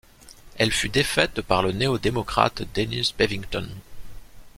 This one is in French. Elle fut défaite par le néo-démocrate Dennis Bevington.